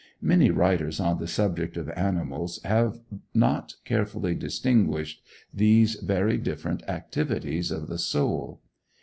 Many writers on the subject of animals have not carefully distinguished these very different activities of the soul.